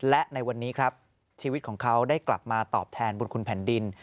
และในวันนี้ครับชีวิตของเขาได้กลับมาตอบแทนบุญคุณแผ่นดิน